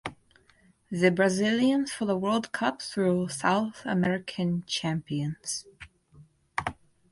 The Brazilians for the world cup through South American champions.